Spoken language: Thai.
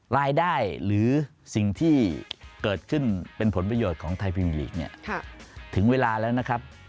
รายได้หรือสิ่งที่เกิดขึ้นเป็นผลประโยชน์ของไทยพิมลีกเนี่ยถึงเวลาแล้วนะครับ